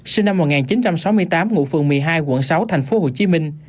sinh năm một nghìn chín trăm sáu mươi tám ngụ phường một mươi hai quận sáu tp hcm